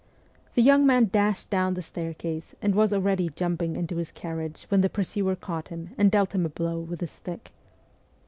The young man dashed down the staircase, and was already jumping mto his carriage when the pursuer caught him, and dealt him a blow with his stick.